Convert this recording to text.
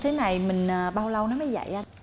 thế thế này mình bao lâu nó mới dậy anh